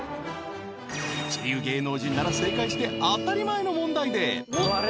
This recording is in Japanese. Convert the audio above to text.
一流芸能人なら正解して当たり前の問題で